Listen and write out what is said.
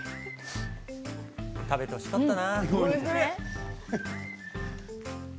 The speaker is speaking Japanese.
食べてほしかったな。